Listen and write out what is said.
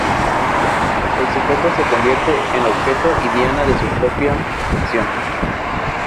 El sujeto se convierte en objeto y diana de su propia acción.